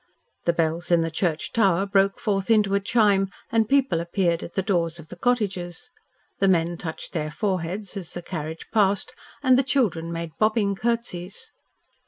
The bells in the church tower broke forth into a chime and people appeared at the doors of the cottages. The men touched their foreheads as the carriage passed, and the children made bobbing curtsies.